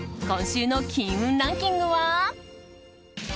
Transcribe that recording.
今週の金運ランキングは？